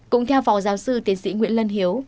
cũng theo phó giáo sư tiến sĩ nguyễn lân hiếu